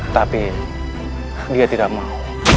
tapi dia tidak mau